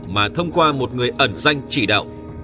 mà thông qua một người ẩn danh chỉ đạo